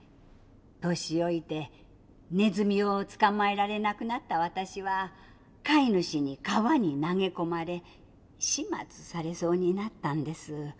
年老いてネズミを捕まえられなくなった私は飼い主に川に投げ込まれ始末されそうになったんです。